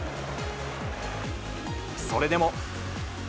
それでも。